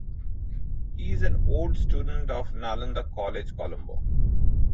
He is an old student of Nalanda College Colombo.